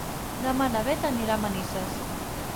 Demà na Bet anirà a Manises.